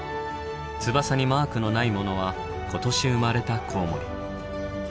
翼にマークのないものは今年生まれたコウモリ。